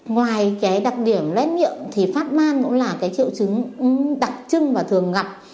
ngoài cái đặc điểm lở lét miệng thì phát ban cũng là cái triệu chứng đặc trưng và thường gặp